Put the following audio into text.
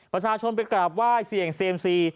ประชาชนไปกราบไหว้เสี่ยงเซียมซี